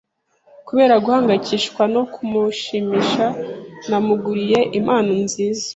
Kubera guhangayikishwa no kumushimisha, namuguriye impano nziza.